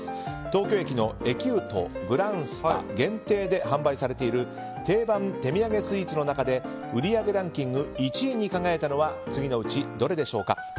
東京駅のエキュート、グランスタ限定で販売されている定番手土産スイーツの中で売り上げランキング１位に輝いたのは次のうちどれでしょうか？